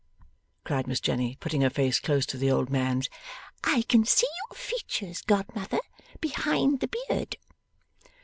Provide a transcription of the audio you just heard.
cried Miss Jenny, putting her face close to the old man's. 'I can see your features, godmother, behind the beard.